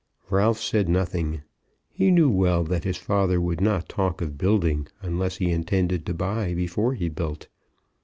Ralph said nothing. He knew well that his father would not talk of building unless he intended to buy before he built.